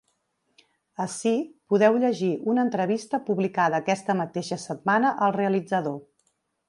Ací podeu llegir una entrevista publicada aquesta mateixa setmana al realitzador.